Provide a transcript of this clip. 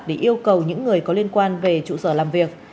để yêu cầu những người có liên quan về trụ sở làm việc